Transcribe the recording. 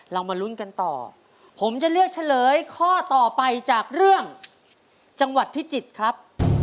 มาลุ้นกันต่อผมจะเลือกเฉลยข้อต่อไปจากเรื่องจังหวัดพิจิตรครับ